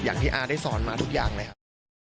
อย่างที่อ้าได้สอนมาทุกอย่างเลยครับ